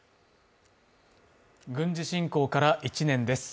軍事侵攻から１年です。